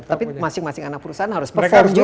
tapi masing masing anak perusahaan harus perform juga